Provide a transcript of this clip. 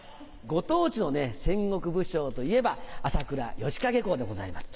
ご当地の戦国武将といえば朝倉義景公でございます。